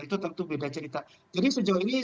itu tentu beda cerita jadi sejauh ini